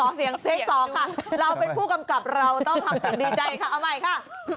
เราเป็นผู้กำกับเราต้องทำสิ่งดีใจค่ะเอาใหม่ค่ะ